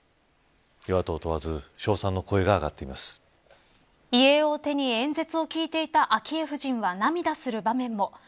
与野党問わず遺影を手に演説を聞いていた昭恵夫人は涙する場面も。